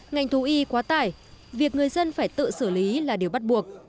ngành thú y quá tải việc người dân phải tự xử lý là điều bắt buộc